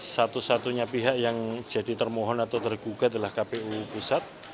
satu satunya pihak yang jadi termohon atau tergugat adalah kpu pusat